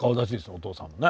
お父さんもね。